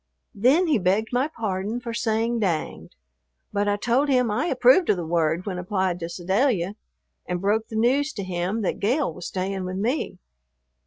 Then he begged my pardon for saying "danged," but I told him I approved of the word when applied to Sedalia, and broke the news to him that Gale was staying with me.